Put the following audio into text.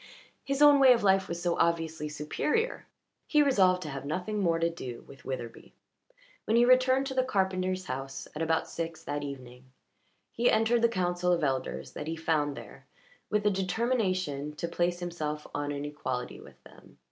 His own way of life was so obviously superior. He resolved to have nothing more to do with Witherbee. When he returned to the carpenter's house at about six that evening he entered the council of elders that he found there with the determination to place himself on an equality with them.